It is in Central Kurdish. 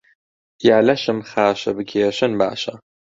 یا لەشم خاشە بکێشن باشە